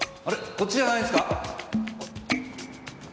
こっちじゃないんすか？